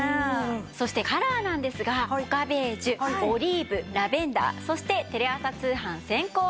そしてカラーなんですがモカベージュオリーブラベンダーそしてテレ朝通販先行販売